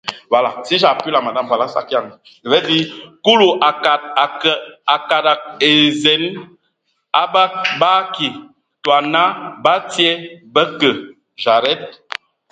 Kulu a kadag e zen ba akii, tɔ ana bə tie, bə kə.